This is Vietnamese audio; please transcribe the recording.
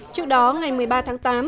trước đó ngày một mươi ba tháng tám